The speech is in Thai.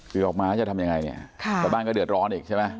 คือออกมาแล้วจะทำยังไงเนี่ยชาวบ้านก็เดือดร้อนอีกใช่ไหม